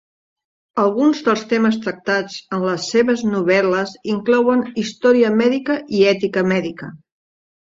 Alguns dels temes tractats en les seves novel·les inclouen història mèdica i ètica mèdica.